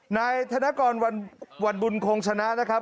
นายธนกรวันบุญคงชนะนะครับ